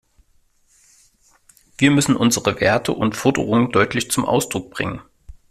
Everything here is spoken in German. Wir müssen unsere Werte und Forderungen deutlich zum Ausdruck bringen.